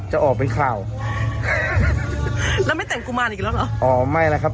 จะออกเป็นข่าวแล้วไม่แต่งกุมารอีกแล้วเหรออ๋อไม่แล้วครับ